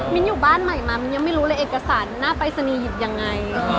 มิ้นอยู่บ้านใหม่มามิ้นยังไม่รู้เลยเอกสารหน้าไปสนียิดยังไง